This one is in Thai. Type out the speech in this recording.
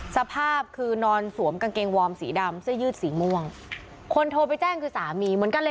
สภาพคือนอนสวมกางเกงวอร์มสีดำเสื้อยืดสีม่วงคนโทรไปแจ้งคือสามีเหมือนกันเลย